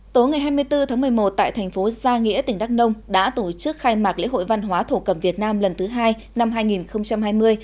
tối ngày hai mươi bốn tháng một mươi một tại thành phố gia nghĩa tỉnh đắk nông đã tổ chức khai mạc lễ hội văn hóa thổ cầm việt nam lần thứ hai năm hai nghìn hai mươi